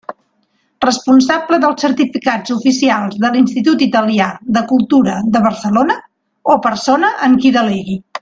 Responsable dels certificats oficials de l'Institut Italià de Cultura de Barcelona, o persona en qui delegui.